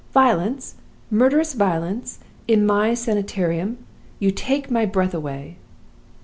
'Violence murderous violence in My Sanitarium! You take my breath away!